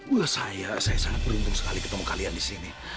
wah saya saya sangat beruntung sekali ketemu kalian disini